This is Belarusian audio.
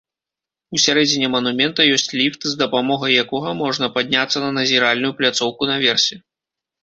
Усярэдзіне манумента ёсць ліфт, з дапамогай якога можна падняцца на назіральную пляцоўку наверсе.